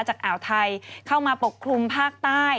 จากอ่าวไทยเข้ามาปกคลุมภาคใต้